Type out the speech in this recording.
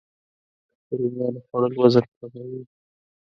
د رومیانو خوړل وزن کموي